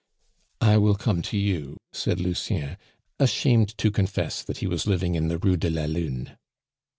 "I will come to you," said Lucien, ashamed to confess that he was living in the Rue de la Lune.